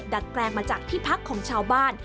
แปลงมาจากที่พักของชาวบ้าน